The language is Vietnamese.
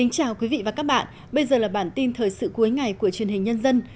chào mừng quý vị đến với bản tin thời sự cuối ngày của truyền hình nhân dân